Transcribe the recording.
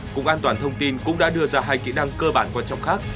cục an toàn thông tin cũng đã đưa ra hai kỹ năng cơ bản quan trọng khác